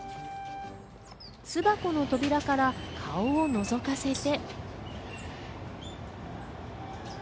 巣箱の扉から顔をのぞかせて。